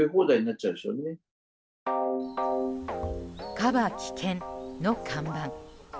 「カバ危険」の看板。